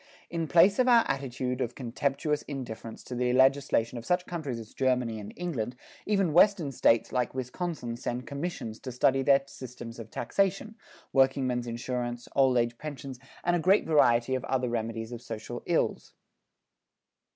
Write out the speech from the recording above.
In place of our attitude of contemptuous indifference to the legislation of such countries as Germany and England, even Western States like Wisconsin send commissions to study their systems of taxation, workingmen's insurance, old age pensions and a great variety of other remedies for social ills.